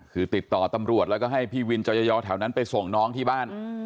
คือติดต่อตำรวจแล้วก็ให้พี่วินจอยอแถวนั้นไปส่งน้องที่บ้าน